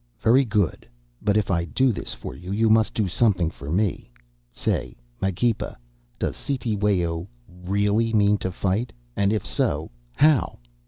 "'Very good. But if I do this for you, you must do something for me. Say, Magepa, does Cetewayo really mean to fight, and if so, how?